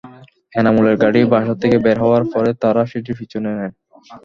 এনামুলের গাড়ি বাসা থেকে বের হওয়ার পরে তাঁরা সেটির পিছু নেন।